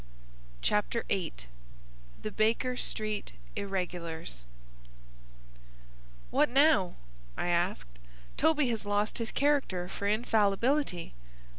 Chapter VIII The Baker Street Irregulars "What now?" I asked. "Toby has lost his character for infallibility."